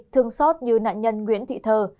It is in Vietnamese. thương xót như nạn nhân nguyễn thị thờ